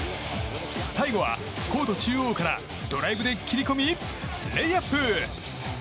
最後は、コート中央からドライブで切り込みレイアップ！